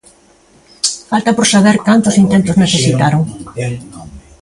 Falta por saber cantos intentos necesitaron.